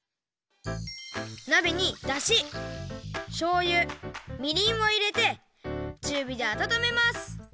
なべにだししょうゆみりんをいれてちゅうびであたためます。